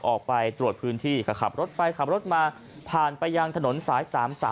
ออกไปตรวจพื้นที่ก็ขับรถไปขับรถมาผ่านไปยังถนนสาย๓๓